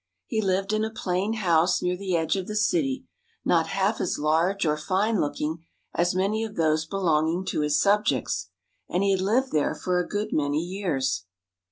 He lived in a plain house near the edge of the city, not half as large or fine looking as many of those belonging to his subjects. And he had lived there for a good many years.